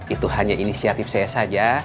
itu hanya inisiatif saya saja